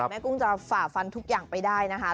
กุ้งจะฝ่าฟันทุกอย่างไปได้นะคะ